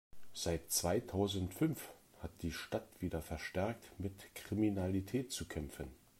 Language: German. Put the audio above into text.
Seit zweitausendfünf hat die Stadt wieder verstärkt mit Kriminalität zu kämpfen.